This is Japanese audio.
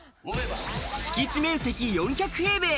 敷地面積４００平米。